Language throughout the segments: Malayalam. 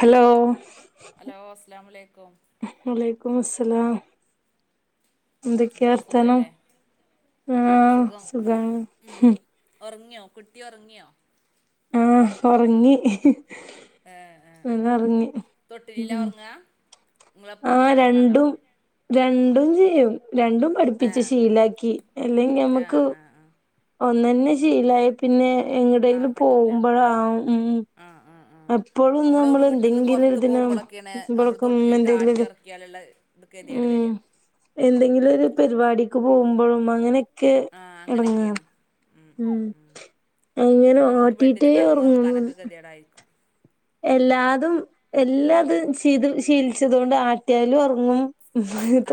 ഹലോ? ഹലോ അസ്സലാമു അലൈക്കും. വലൈക്കും മുസലാം. എന്തൊക്കെയാ എന്താ വർത്താനം സുഖല്ലേ ആ സുഖം സുഖാണ്. ഉറങ്ങിയോ കുട്ടി ഉറങ്ങിയോ? ആ ഉറങ്ങി പെണ്ണ്ഒറങ്ങി. തൊട്ടിലിലാ ഉറങ്ങാ ആ നിങ്ങളപ്പം കടന്ന് കണ്ടോ രണ്ടും രണ്ടും ചെയ്യും രണ്ടും പഠിപ്പിച്ച് ആഹ് ആഹ് ശീലാക്കി അല്ലെങ്കി ആഹ് നമുക്ക്. ആഹ് ആഹ് ഒന്നു തന്നെ ശീലവായാ പിന്നെ എങ്ങടെങ്കിലും പോകുമ്പോഴാവും ഉം ആ ആ ആ എപ്പോഴും നമ്മള് വീട്ടീന്ന് എന്തെങ്കിലും പൊറത്ത് ഒരിതിന് പോകുമ്പോളൊക്കെയാണ്. നമ്മള് ഇവൾക്കും തൊട്ടിലിട്ട് ആട്ടി എന്തെങ്കിലും ഉറക്കിയാലുള്ള കെതിയൊട് വര. ഉം എന്തെങ്കിലും ഒരു പരിപാടിക്ക് പോകുമ്പോഴും. അങ്ങനെ ക്കെ ആഹ് അങ്ങനെയൊക്കെയാണ് എടങ്ങേറ് ഉം അങ്ങനെ അപ്പം നമുക്ക് ബെഡിൽ ആട്ടീട്ടേ ഉറങ്ങൂന്ന് കടന്നുറക്കാനൊക്കെ ഗതികേടായിരിക്കും എല്ലാതും എല്ലാതും ശീത് ശീലിച്ചത് കൊണ്ട് ആട്ടിയാലും ഉറങ്ങും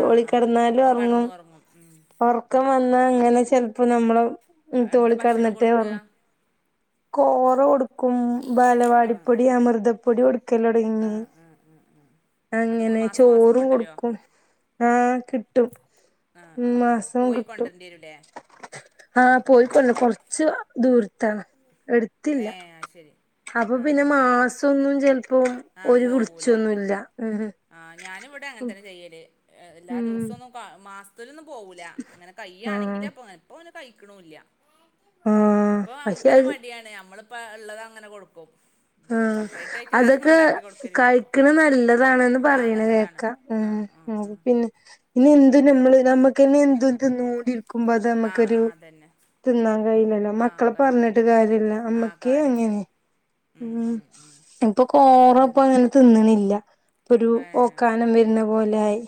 ആഹ് ആഹ് കിടന്നാലും ഒപ്പം ഉറങ്ങും കടന്നുറങ്ങും ഉം ഉറക്കം വന്നാ അങ്ങനെ ചെലപ്പോ നമ്മള് ഉം എന്താ തോളി ഭക്ഷണം കെടന്നിട്ടേ കൊടുക്കുക ഉറങ്ങു കോറ കൊടുക്കും ബാലവാടി ഈ അമൃതപ്പൊടി കൊടു ക്കലൊട്ങ്ങി ആഹ് ആഹ് ആഹ് ആഹ് അത് നിങ്ങൾ അങ്ങനെ മാസം മാസം ചോറു കൊണ്ടുവരുമോ കൊടുക്കും ആഹ് കിട്ടും ആഹ് ആഹ് ആഹ് മാസം പോയി കിട്ടും കൊണ്ടര്ണ്ട്യരൂല്ലേ ആഹ് പോയിക്കൊ കൊറച്ച് ദൂരത്താണ് എടുത്തില്ല ഏഹ് അത് ശരി അപ്പൊ ആഹ് പിന്നെ ആഹ് ആഹ് മാസൊന്നും ചെലപ്പം ആഹ് ഓരു പോവൂല കുളിച്ചൊന്നുല്ല ഉം ഉം ആഹ് ഞാനും ഇവിടെ അങ്ങനെ തന്നെ ചെയ്യല് എല്ലാ ഉം ദിവസവും ഒന്നും മാസ് ത്ത് ലൊന്നും പോവൂല ഇങ്ങനെ കയ്യാണെങ്കില് ആഹ് അപൊ ഇപ്പൊ ഓന് കഴിക്കണൂല്ല ആഹ് ഇപ്പൊ പക്ഷെ നമുക്ക് തന്നെ അത് മടിയാണ് നമ്മളിപ്പോ ഉള്ളത് അങ്ങനെ കൊടുക്കും ആഹ് സെപ്പറേറ്റ് ആയിട്ട് വേറൊന്നും ഉണ്ടാക്കി കൊടുക്കലില്ല ഇപ്പൊ ക്ണെ നല്ലതാണ് ആഹ് നല്ലതാണ് ആഹ് ഉംഉം ന്നെ ഇന്ന് എന്ത് നമ്മള് നമ്മുക്കന്നെ എന്ത് എന്തൊരു മൂടി വയ്ക്കുമ്പോ അത് ആഹ് നമ്മുക്കൊരു ആഹ് അതന്നെ തിന്നാൻ കഴിയില്ലല്ലോ ആഹ് മക്കളെ പറഞ്ഞിട്ട് കയ്യൂലല്ലോ കാര്യവില്ല ആഹ് നമ്മക്കേ കാര്യല്ല അങ്ങനെ ഉം ഇപ്പൊ കോറ അതന്നെ ഇപ്പം അങ്ങനെ തിന്ന്ണില്ല പ്പൊരു ഏഹ് ശരി ഓക്കാനം വരുന്ന പോലെയായി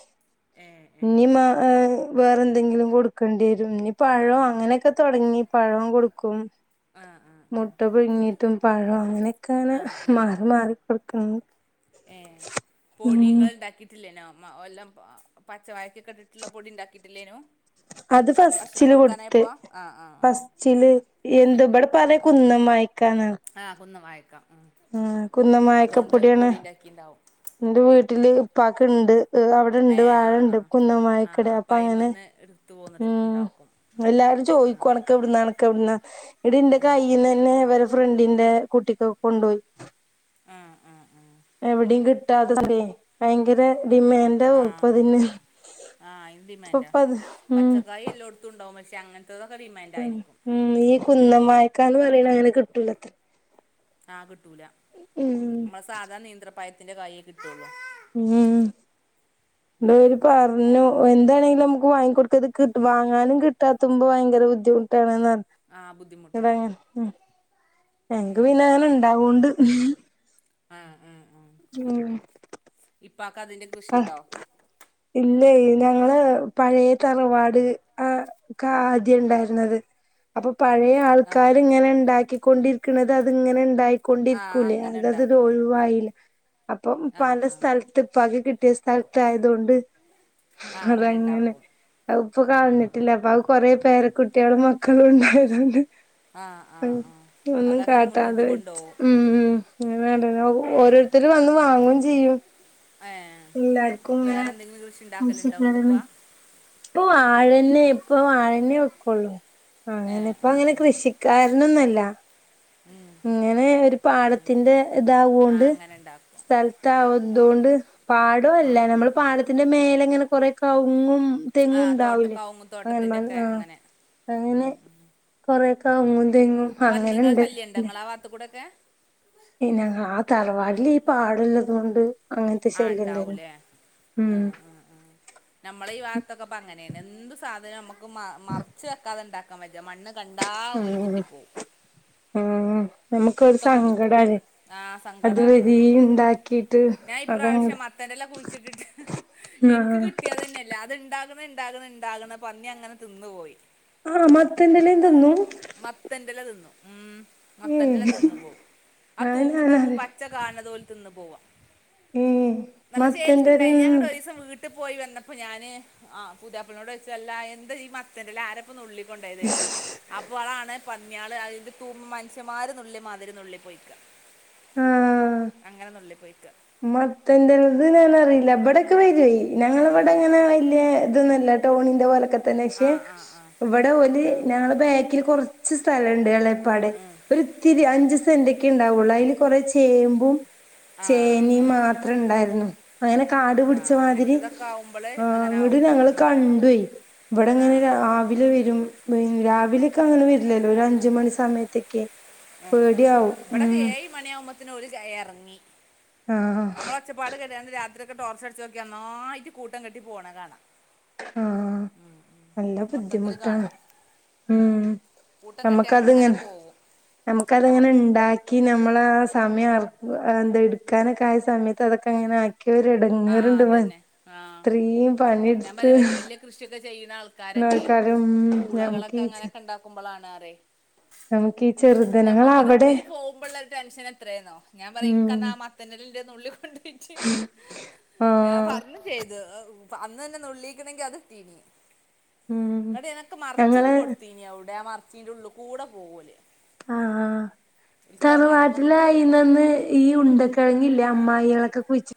ഏഹ് ഇനി ഏഹ് വേറെ മാ വേറെന്തെങ്കിലും കൊടുക്കേണ്ടി വരും ഇനി പയോ ആഹ് അങ്ങനെയൊക്കെ തൊടങ്ങി പഴം കൊടുക്കും ആഹ് മുട്ട പുഴുങ്ങിയിട്ടു പഴവും അങ്ങനെയൊക്കെ അങ്ങനെ ആഹ് ആഹ് മാറി മാറി കൊടുക്കും ഏഹ് പൊടി ങ്ങള് ണ്ടാക്കി ഇട്ടില്ലേനോ മ എല്ലാം പച്ചവാഴയ്ക്ക്യോക്കെ ഇട്ടിട്ടുള്ള പൊടി ണ്ടാക്കിയിട്ടില്ലേനോ അത് ഫസ്റ്റിൽ കൊടുത്ത് ആഹ് ആഹ് ആഹ് ഫസ് ചില് എന്ത് ഇബടെ പറ്യ കുന്നം വായിക്കാന്നാ ആഹ് കുന്നംവായക്കാ കുന്നം അതൊണ്ട് പൊടിണ്ടാക്കിണ്ടാഉം ന്റെ വീട്ടില് ഉപ്പാക്ക്ണ്ട് അവിടെണ്ട് ഏഹ് ആഹ് വാഴണ്ട് ആഹ് കുന്നവായക്കടെ അപ്പൊ അങ്ങനെ ത്തു ഉം പോന്നിട്ടുണ്ടാക്കും. എല്ലാരും ചോയിക്കും അണക്കെവിടുന്നാ അണക്കെവിടുന്ന ന്നിട്ട്ന്റെ ഉം ഉം കയ്യിന്നെന്നെ ഇവര് ഫ്രണ്ടിന്റെ കുട്ടിക്ക് കൊണ്ടോയി. ആഹ് ആഹ് ആഹ് എവിടയും കിട്ടാതല്ലേ ഭയങ്കര ഡിമാൻഡ്. ആഹ് ഉം ഉം ആ അയിന് ഡിമാൻഡാ ഇപ്പപ്പത് ഉം പച്ചക്കായ എല്ലോട് തുണ്ടാഉ അങ്ങൻത്തൊതൊക്കെ ഡിമാൻഡ് ആയിരിക്കും. ഉം, ഈ കുന്നം വായ്ക്കന്ന് പറയണ അങ്ങനെ കിട്ടൂലത്ര ആഹ് കിട്ടൂല ഉം മ്മളെ സാധാ നീന്ത്രപ്പയത്തിന്റെ കായെ കിട്ടുള്ളു. ഉം [inaudible] ണ്ടോല് പറഞ്ഞു എന്താണെങ്കിലും നമുക്ക് വാങ്ങിക്കൊടുക്കത് വാങ്ങാനും കിട്ടാത്തുമ്പോ ഭയങ്കര ബുദ്ധിമു ട്ടാണ് നർ ആഹ് ബുദ്ധിമുട്ടാണ് [unintelligible] ഞങ്ങക്ക് പിന്നെ അയന്നെ ണ്ടാവോണ്ട് ആ ഹ് ആഹ് ആഹ് [unintelligible] ഇപ്പാക്കതിന്റെ പ്പ ഹ് ഇല്ലെ ഞങ്ങള് പഴേ തറവാട് ആ ക്കാദ്യം ണ്ടായിരുന്നത് അപ്പൊ പഴയ ആഹ് ആൾക്കാര് ആഹ് ഇങ്ങനെ ഇണ്ടാക്കിക്കൊണ്ടിരിക്ക്ണത് അത്ങ്ങനെ ണ്ടായി ആഹ് ക്കൊണ്ടിരിക്കൂലേ അങ്ങനെ അത ത് ഉണ്ടാക്കിക്കൊണ്ട്ക്കും ഒഴിവായി ലെ അപ്പൊ ആഹ് പ്പാന്റെ ആഹ് സ്ഥലത്ത് പ്പാക്ക് കി കിട്ടിയ സ്ഥലത്തായതൊണ്ട് ആഹ് അങ്ങനെ അതങ്ങനെ ഇണ്ടാക്കും അഹ് പ്പ ക ൾഞ്ഞിട്ടില്ല പ്പാക്ക് കൊറെ പേര കുട്ടിയാളും മക്കളും ണ്ടായതോണ്ട് ആഹ് ആഹ് ആഹ് ഒന്നും അതങ്ങനെ കാട്ടാതെ മുന്നോട്ട് വെച്ച് കൊണ്ടോവും ഉം ഉം ഞാ കണ്ട് ണ് ഓരോര്ത്തര് വന്ന് വാങ്ങും ചെയ്യും. ഏ ഹ് എല്ലാർക്കും വേറെ ഇങ്ങനെ എന്തെങ്കിലും കൃഷി ഇണ്ടാക്കല്ണ്ടോ ഇങ്ങട്ട് ആവശ്യക്കാരാണ് പ്പാ ഇപ്പൊ വാഴന്നെ ഇപ്പൊ വാഴന്നെ വെക്കുള്ളൂ അങ്ങനെ ഏഹ് പ്പ ആഹ് അങ്ങനെ ആഹ് കൃഷിക്കാരനൊന്ന അല്ല ഇങ്ങനെ ഒരു പാടത്തിന്റെ ഇതാവൊണ്ട് [unintelligible] ണ്ടാക്കും സ്ഥലത്താവതൊണ്ട് പാടോല്ല നമ്മള് പാടത്തിന്റെ മേലങ്ങനെ കൊറേ കവുങ്ങും ആ തെങ്ങ് തോട്ട ണ്ടാവൂലെ കവുങ്ങ് അങ്ങനെ തോട്ടത്തിന്റെ മൺ ഒക്കെ ആ അങ്ങനെ അങ്ങനെ കൊറെ കവുങ്ങും തെങ്ങും അങ്ങനെ ണ്ട് നിങ്ങളാ വാത്ത്ക്കൂടെക്കെ ഇ ഞങ്ങളാ ആ തറവാടില് ഈ പാടള്ളതോണ്ട് ആ ണ്ടാവൂലേ ഉം ആഹ് ആഹ് ആഹ് നമ്മളെ ഈ ഭാഗത്തൊക്കെ പ്പൊ അങ്ങനെണ് എന്ത് സാധനം നമുക്ക് മ മറച്ച് വെക്കാതെ ണ്ടാക്കാൻ വജ്ജാ മണ്ണ് കണ്ടാ ഓല് ഉം കുത്തിപ്പൊ ഉം നമുക്കൊരു കുത്തിപ്പോവും സങ്കടാണ് ആ അത് സങ്കടാണ് വരീം ണ്ടാക്കി ഞാൻ ഇപ്രാവശ്യം മത്തന്റെല കുഴിച്ചിട്ടിട്ട് ആഹ് ഇൻക്ക് കിട്ടിയതെന്നെ ല്ല അത്ണ്ടാക്ണ ഇണ്ടാക്ണ ഇണ്ടാക്ണ പന്നി അങ്ങനെ തിന്ന് പോയി ആ മത്തന്റെ എലേം തിന്നും മത്തന്റെ എല തിന്നും ഉം ഏഹ് മത്തന്റെ എല തിന്ന് പോവും ആ ഞാൻ തൂമ്പ് തൂമ്പ് പച്ച കാണ് ണതോൽ തിന്ന്പോവാ ഏഹ് നല്ല ചേൽക്ക് ണ്ടായി നി മത്തന്റെലണ്ട് ഞാങ്ങട്ടൊരീസം വീ ട്ട്പ്പോയി വന്നപ്പോ ഞാന് ആ പുത്യാപ്ലനോടോയ്ച്ച് അല്ലാ എന്ത ഈ മ ത്തന്റെ എല ആരാ പ്പം നുള്ളി കൊണ്ടോയതോയ്ച്ച് അപ്പോളാണ് പന്ന്യാള് ആയിൻ്റെ തൂ മനുഷ്യമാര് നുള്ളി മാതിരി നുള്ളി പോയിക്ക അങ്ങനെ നുള്ളി പോയേക്ക മത്തൻ്റെലത് ഞാനറീല ഇബടെക്കെ വരോയ് ഞങ്ങളവ്ടങ്ങനെ വല്ല്യേ തൊന്നല്ല ടൗണിന്റെ പോലെക്കെ തന്നെ ആ ക്ഷെ ആ ആ ഇവടെ ഓല് ആ ഞങ്ങള ബേക്കില് കൊർച്ച് സ്ഥലണ്ട് എളേ പ്പാടെ ഉം. ഒര്ത്തിരി അഞ്ച്സെൻ്റെക്കെ ഇണ്ടാവോള്ളൂ അയ്ല് കൊറേ ചേമ്പും ആ ചേനി ആ മാത്രണ്ടായ്രുന്നു അങ്ങെനെ കാട് ആ പിട്ച്ചമാതിരി അങ്ങനത്തതൊക്കെ ആവുമ്പോൾ ആ അങ്ങനെ ആവും ങ്ങട്ട്ഞങ്ങള് ഉം. കണ്ടുയ് ഇവിടെങ്ങനെ രാ ആ വിലെ വരും പിൻ രാവിലെക്കങ്ങനെ വര്ല്ലല്ലോ ഒരഞ്ചുമണി സമയത്തെക്കെ പേട്യാവും ഉം [unintelligible] മണിയാവുമ്പത്തേന് ഒരു കയറെങ്ങി ഉം ഒച്ചപ്പാട് കേട്ട് രാത്രിക്ക് ടോർച്ചടിച്ച് നോക്കിയ ഒന്നായിട്ട് കൂട്ടം കെട്ടി പോണ കാണാം ഉം ഉം നല്ല മൊത്തത്തില് ബുദ്ധിമുട്ടാണ് കാണാം ഉം കൂട്ടം കെട്ടി അങ്ങനെ നമ്മക്കദിങ്ങനെ പോകും ഞമ്മക്കതിങ്ങന്ണ്ടാക്കി ഞമ്മളാ സമയ അർ എന്ത എട് ക്കാനൊക്കായ സമയത്ത് അതൊക്കെ അങ്ങനെ ആഹ് ആക്കിയൊരെടങ്ങേറ്ണ്ട് മൻ ത്രീം പണിട് വല്യവല്ല്യ കൃഷിയൊക്കെ ചെയ്യുന്നാൾക്കാരെക്കെയ് നോക്കാനും നമുക്ക് പൂളകളൊക്കെ ഈ അങ്ങനക്കൊണ്ടാക് [unintelligible] നമുക്ക് ഈ ചെറുതനങ്ങള് അവിടെ ഞമ്മക്കൊരിത്തിരി പോകുമ്പോള്ളര് ടെൻഷനെത്രേന്നോ ഞാം പറ ഉം ഇൻക്കന്നാ മത് ത്തലന്റെ നുള്ളി കൊണ്ടോയ് വെച്ച് ഞാൻ ആഹ് പറഞ്ഞു ചെയ്തു പ്പൊ അന്ന്തന്നെ നുള്ളിക്ക്ണേങ്കി അത് തീനി ഉം ന്ന്ട്ടിതിനെക്കെ മർച്ചൊക്കെ ഞങ്ങള് കൊട്തീനി അവ്ടെ മർചീൻ്റെള്ളുക്കൂടെ പോകോല് [inaudible] എത്തുവല്ല തറവാട്ട്ലായിനന്ന് ഈ ഉണ്ടക്കെഴങ്ങില്ലേ അമ്മായികളക്കെ കുഴിച്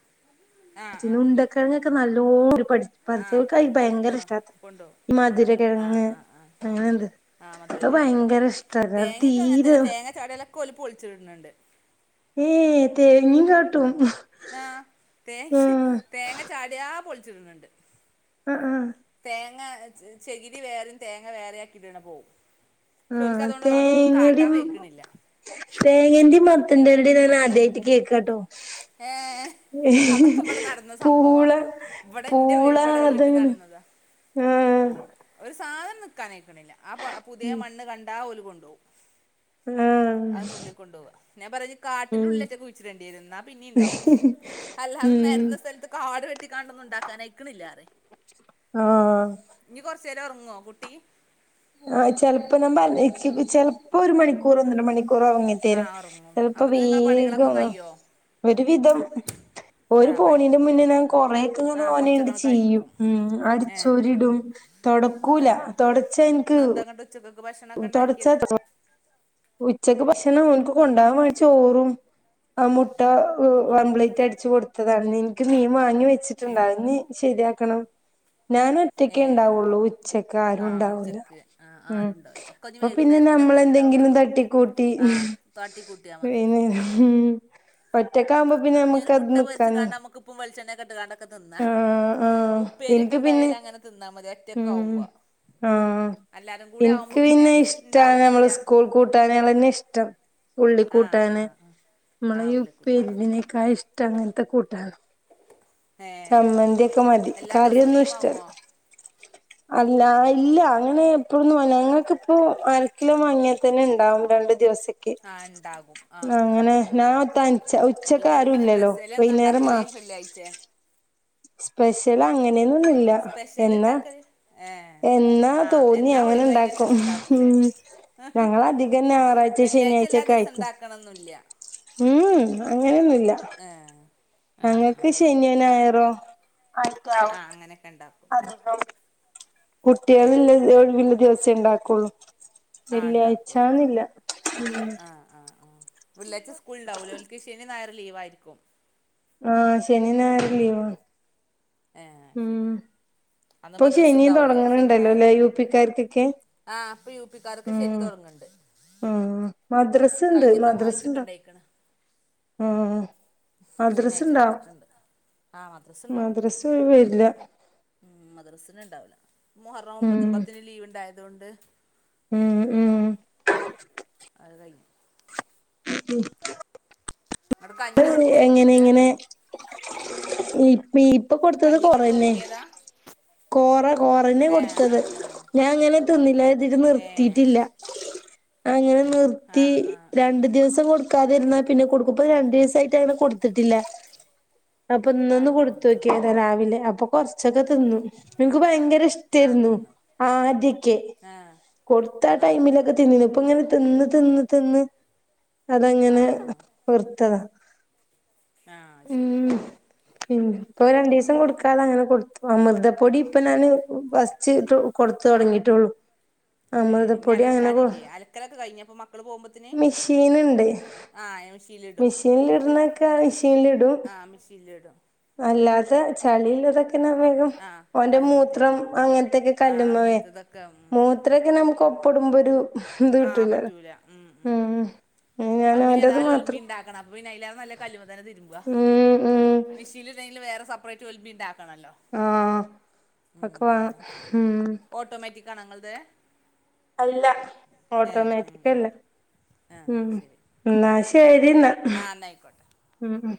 ആഹ് ച്ചിന് ആഹ് ഉണ്ടക്കെഴ്ങ്ങൊക്കെ നല്ലോണോല് പഠിച് ആഹ് പർച്ചോൽക്കായി എടുത്തോ ഭയങ്കരിഷ്ടാത് കൊണ്ടോവും ഈ ആഹ് മധുരക്കെഴ്ങ്ങ് ആഹ് ആഹ് അങ്ങനെന്ത് ആഹ് അത് മധുരക്കിഴങ്ങ് ഭയങ്കരിഷ്ട്ടത് അത് തീര ചെലതൊക്കോല് പോളിച്ചിട്ണ്ണ്ണ്ട് ഏയ് തേങ്ങിം കാട്ടും ആഹ് തേഹ് ആഹ് തേങ്ങ ചാട്യാ പൊളിച്ചിട്ണ് ണ്ട് ഉം ഉം തേങ്ങ ച് ചെകിരി വേറെം തേങ്ങ വേറാക്കിട്ണ പോകും ആഹ് ചോൽക്കതോണ്ട് അതൊന്നും കാട്ടാവെയ്ക്ക്ണില്ല തേങ്ങൻ്റിം മത്തന്റെലെടെം ഞാനാദ്യായിട്ട് കേക്കാട്ടോ ഏഹ് അതൊക്കെ ഇവിടെ നടന്ന സംഭവാ പൂള ഇവിടെ ഇന്റെ പൂള ഇവിടെ അതെങ്ങന ആഹ് ഒര് സാധനം നിക്കാനയക്ക്ണില്ല ആ പുതിയ ഉം മണ്ണ് കണ്ടാ ഓല് കൊണ്ടോവും ആഹ് അത് നുള്ളിക്കൊണ്ടോവ ഞാൻ പറഞ്ഞ് ഉം കാട്ട്ൻ്റുള്ളിലേറ്റ കുയ്ച്ചിടേണ്ടിരുന്ന പിന്നീണ്ടാവും അല്ലാതെ ഉം നെരന്ന സെൽത്ത് കാട് വെട്ടിക്കാണ്ടൊന്നും ണ്ടാക്കാനയ്ക്ക്ണില്ലേറെ ആഹ് ഇഞ്ഞി കൊർച്ചേരൊർങ്ങോ കുട്ടി ആഹ് ചെൽപ്പോ [unintelligible] ചെൽപ്പോരുമണിക്കൂറൊന്നരമണിക്കൂറൊർങ്ങി ആ തെരും ഉറങ്ങും ചെൽപ്പോ അപ്പത്തിന് നിങ്ങളെ പണികളൊക്കെ വേഗംന്ന് കഴിയോ ഒര് വിധം ഓര് ആ പോണീന്റെ കഴിയും മുന്നേ ഞാൻ ആ കൊറേക്ക്ങ്ങനെ ഓനേണ്ട് കുറച്ചൊക്കെ അങ്ങ് ചിയ്യും കഴിക്കും ഉം ഏ ആ അട്ച്ചൂരിടും തൊടക്കൂല തൊടച്ചയ്ഞ്ഞ ഇന്ന അതെന്ത അങ്ങോട്ട് വെച്ച ഉം തൊടച്ച [unintelligible] ഉച്ചക്ക് ഭക്ഷണം അവനിക്ക് കൊണ്ടൊകാൻ വേണ്ടി ചോറും ആഹ് മുട്ട ആ ഓംപ്ലേറ്റ് അടിച്ച് കൊടുത്തതാണ് എനിക്ക് മീൻ വാങ്ങി ഏ വെച്ചിട്ടുണ്ട് അതിന്നി ശരിയാക്കണം. ഞാനൊറ്റക്കെ ഏ ഉണ്ടാവുള്ളൂ ഉച്ചക്ക് ആരും ആ ഉണ്ടാവൂല്ല ഉച്ചക്ക് ആ ഉം ആരുണ്ടാവില്ല ഒക്കെ ഇനി അപ്പൊ പിന്നെ വൈകുന്നേരത്തിന് നമ്മളെന്തെങ്കിലും എത്തലുണ്ടാവുള്ളൂ തട്ടിക്കൂട്ടി ആ തട്ടിക്കൂട്ടിയാൽ മതി പിന്നെ ഉം ഒറ്റക്കാവുമ്പോ പിന്നെ ഇനി ഒരു നമക്ക് മുട്ട പൊരിച്ച് കാണ്ട് [unintelligible] നമുക്ക് ഉപ്പും വെളിച്ചെണ്ണയും ഒക്കെ ഇട്ട്കാണ്ട് തിന്ന ആഹ് ഉപ്പേരി ഒക്കെ എനിക്ക് പിന്നെ ഇണ്ടായാല് അങ്ങനെ തിന്നാ മതി ഉം ഒറ്റക്കാവുമ്പൊ. ആഹ് ഇൻക്ക് പിന്നെ ഇഷ്ട്ടാണ് ഉണ്ടാവൂല്ല നമ്മളെ സ്കൂൾ കൂട്ടാനേളെന്നെ ഇഷ്ടം ആഹ് ഉള്ളിക്കൂട്ടാന് ആഹ് ആഹ് നമ്മള ആഹ് ഉള്ളിക്കൂട്ടാനൊക്കെ ഉപ്പേരിനേക്കായി ഇഷ്ട അങ്ങൻത്തെ കൂട്ടാന് ഏഹ് മതി എല്ലാ ദിവസം മീൻ വാങ്ങോ? അല്ലാ ഇല്ല അങ്ങനെ എപ്പഴൊന്നും അല്ല ഞങ്ങൾക്കിപ്പൊ അരക്കിലൊ വാങ്ങ്യാ തന്നെ ഇണ്ടാവും രണ്ട് ദിവസ ആഹ് ഉണ്ടാകും ആഹ് ആഹ് അങ്ങനെ ഉണ്ടാകും ഞാൻ ഒ തൻച ഉച്ചക്കാരു ഇല്ലലൊ വൈന്നേരം മാ വെള്ളി ആഴ്ചേ [inaudible] സ്പെഷ്യല് അങ്ങനൊന്നുല്ല സ്പെഷ്യൽ എന്നാ ഉണ്ടാക്കല് ഏഹ് എന്നാ ആഹ് തോന്നി എന്നാ അങ്ങനെ ഒഴിവ് ഇണ്ടാക്കും അതിനനുസരിച്ച് ഉം ഉണ്ടാക്കൂലേ ഞങ്ങള അധികം ഞായറാഴ്ചെ ശനിയാഴ്ചയക്കായിറ്റ. ക്കണൊന്നുല്ല ഉം ഉം അങ്ങനൊന്നുല്ല ആഹ് ഞങ്ങക്ക് ആഹ് ആഹ് ശനിയൊ ഞായറോ. അങ്ങനെക്കണ്ടൊ. കുട്ടീള് ആഹ് ഇല്ല ആഹ് ഒഴിവില്ല ദിവസെ ഇണ്ടാക്കൊള്ളു ആഹ് ഇണ്ടാക്കൊള്ളു ആഹ് ആഹ് ആഹ് വെള്ളിയാച്ച സ്കൂള്ണ്ടാവുലെ ഓല്ക്ക് ശനിം നായറും ലീവായിരിക്കും ആഹ് ശനി ഞായറും ലീവാ. ഏഹ് ശരി ഉം അന്ന് ഇപ്പൊ മദ്രസ് ശനിയും ഉണ്ടാവുലെ ശനി തൊടങ്ങണണ്ടല്ലോ ഞായറും ല്ലേ യു പിക്കാർക്കൊക്കെ ആഹ് ഇപ്പയുപിക്കാർക്ക് ശനി ഉം തൊടങ്ങ്ണ്ട് ഉം മദ്രസ്ണ്ട് ആഴ്ചൊക്കെ മദ്രസ്ണ്ടാ ഉണ്ടായിക്കണ് ഉം ശനിയാഴ്ച മദ്രസ്ണ്ടാവു എടുത്തിട്ടുണ്ട് ആഹ് മദ്രസ് ഉണ്ടാവും മദ്രസ് വർല ഉം മദ്രസ്ന് ഇണ്ടാവില്ല മുഹറം ഉം ഒമ്പതും പത്തിനും ലീവ് ഇണ്ടായതോണ്ട്. ഉം ഉം അത് കഴ്ഞു ഉം എന്നിട്ട് കഞ്ഞി കൊടുക്കേ എങ്ങനെ കുട്ടിക്ക് ഇങ്ങനെ ഈ മീപ്പ കൊട്ത്തത് കഞ്ഞി കോറന്നെ. കൊടുത്തുറക്കിയതാ കോറ കോറന്നെ ഏഹ് കൊട്ത്തത് ആഹ് ആഹ് ഞാൻ ഇങ്ങനെ തിന്നില കർതീറ്റ് ഏഹ് നിർത്തീട്ടില്ല. അങ്ങനെ നിർത്തി ആഹ് ആഹ് ആഹ് രണ്ട് ദിവസ. പ്പം കൊട്ക്കാതിരുന്ന പിന്നെ കൊടുക്കും ഇപ രണ്ടീസായിട്ട് അങ്ങന കൊട്ത്തിട്ടില്ല. അപ്പൊ ഇന്നൊന്ന് ആഹ് ആഹ് കൊട്ത്തോ ആഹ് ക്ക്യേത രാവിലെ അപ്പൊ കൊർച്ചൊക്ക തിന്നു. ഇൻക്ക് ഭയങ്കര ആഹ് ഇഷ്ടെരുന്നു തിന്ന് ആദ്യൊക്കെ. ആഹ് കൊട്ത്ത ആ ആഹ് ആഹ് ടൈമിലൊക്കെ ആഹ് തിന്നീന്നു ഇപ്പൊ ഇങ്ങനെ തിന്ന് തിന്ന് തിന്ന്. അതങ്ങനെ ആഹ് ആഹ് വെർത്തത. ആഹ് ശരി പി ഇപ്പൊ രണ്ടീസം കൊട്ക്കാതെ അങ്ങന കൊട്ത്തു അമൃതപ്പൊടി ഇപ്പൊ നാന് ഫസ്റ്റ് കൊട്ത്ത് തൊടങ്ങീട്ടൊള്ളു. ഏഹ് ഇഞ്ഞി അലക്കാനില്ലെ അലക്കലൊക്കെ കഴിഞൊപ മക്കള് പോവുമ്പ മിഷീന് ഇണ്ട്. മെഷീനിലിടും മിഷീനിൽ ഇടുന്നൊക്ക മിഷീനിലിടും ആഹ് മെഷീനിലിടും അല്ലാത്ത ചളിള്ളതൊ പിന്നെ വേഗം ആഹ് ഓന്റെ കല്ലുമ്മെ മൂത്രം തിരുമ്പും അങ്ങൻത്തൊക്കെ ആഹ് കല്ല്മ്മെ വേ അങ്ങനത്തതൊക്കെ ഉം മൂ ഇത്രക്കേ നമുക്ക് ഒപ്പടുമ്പോരു ഇത് കിട്ടൂലല്ലോ കിട്ടൂല ഉം ഉം ആഹ് അത് പിന്നെ ഏതായാലും ഒലുമ്പി ഇണ്ടാക്കണം അപ്പൊ പിന്നെ അയിലാറെ നല്ലത് കല്ലുമ്മതന്നെ തിര്മ്പ ഉം ഉം മെഷീനിൽ ഇടണെങ്കില് വേറെ സെപ്പറേറ്റ് ഒല്മ്പി ഇണ്ടാക്കണല്ലോ ആഹ് ഒക്കെ വാണം ഉം ഓട്ടോമേറ്റിക് ആണോ ഇങ്ങള്ത് അല്ല ഏഹ് ആഹ് ഓട്ടോമാറ്റിക്കല്ല ഏഹ് ആഹ് ശെരി ന്നാ ശെരിന്നാ എന്നായിക്കോട്ടെ ഉം ഉം